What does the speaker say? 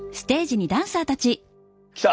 来た！